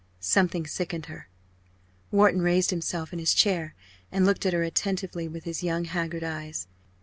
Something sickened her. Wharton raised himself in his chair and looked at her attentively with his young haggard eyes.